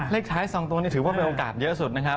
เลขท้าย๒ตัวนี่ถือว่ามีโอกาสเยอะสุดนะครับ